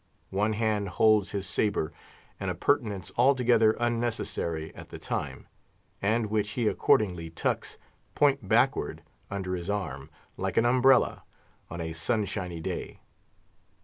One hand holds his sabre—an appurtenance altogether unnecessary at the time; and which he accordingly tucks, point backward, under his arm, like an umbrella on a sun shiny day.